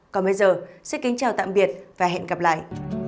còn bây giờ xin kính chào tạm biệt và hẹn gặp lại